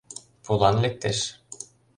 Пулан лектеш.